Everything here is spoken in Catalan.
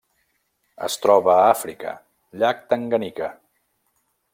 Es troba a Àfrica: llac Tanganyika.